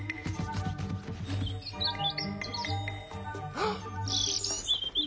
あっ！